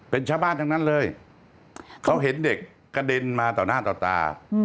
เป็นชาวบ้านทั้งนั้นเลยเขาเห็นเด็กกระเด็นมาต่อหน้าต่อตา